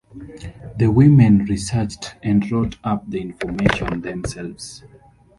The women researched and wrote up the information themselves.